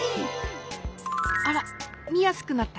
あらみやすくなった。